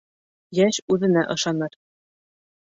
Йәш үҙенә ышаныр